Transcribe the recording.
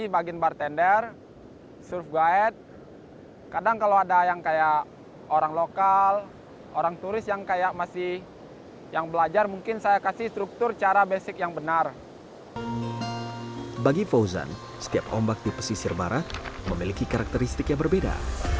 bagi fauzan setiap ombak di pesisir barat memiliki karakteristik yang berbeda